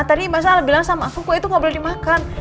tadi mas al bilang sama aku kue itu gak boleh dimakan